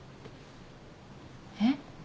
えっ？